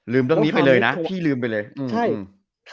ลืมตรงนี้ไปเลยนะพี่ลืมไปเลย